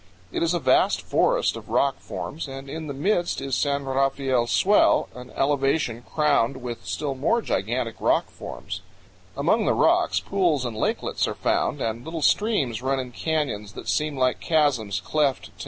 It is a vast forest of rock forms, and in its midst is San Rafael Swell, an elevation crowned with still more gigantic rock forms. Among the rocks pools and lakelets are found, and little streams run in canyons that seem like chasms cleft to nadir 77 powell canyons 46.